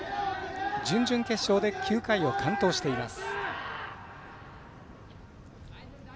準々決勝で９回を完投しています。